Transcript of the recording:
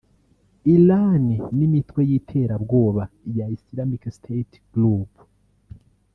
Iran n’imitwe y’iterabwoba ya Islamic state Group